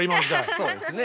そうですね。